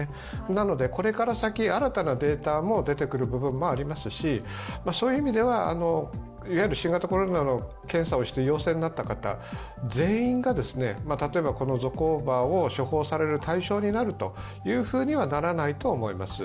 なので、これから先、新たなデータも出てくる部分もありますし、いわゆる新型コロナの検査をして陽性になった方全員が、例えばゾコーバを処方される対象になるとはならないと思います。